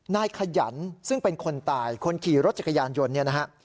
ขยันซึ่งเป็นคนตายคนขี่รถจักรยานยนต์เนี่ยนะฮะ